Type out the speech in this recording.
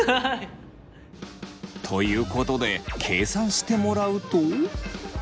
ということで計算してもらうと。